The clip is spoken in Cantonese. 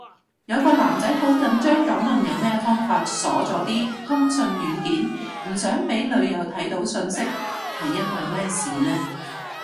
有個男仔好緊張噉問有咩方法鎖咗啲通訊軟件，唔想俾女友睇到訊息，係因為咩事呢？